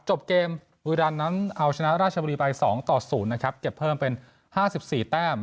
จบเกมบุรีรันนั้นเอาชนะราชบุรีไป๒ต่อ๐นะครับเก็บเพิ่มเป็น๕๔แต้ม